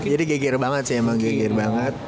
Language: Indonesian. jadi geger banget sih emang geger banget